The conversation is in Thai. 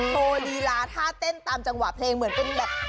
โชว์ลีลาท่าเต้นตามจังหวะเพลงเหมือนเป็นแบบ